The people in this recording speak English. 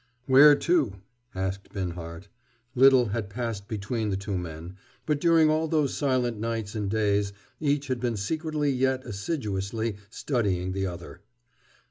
"Where to?" asked Binhart. Little had passed between the two men, but during all those silent nights and days each had been secretly yet assiduously studying the other.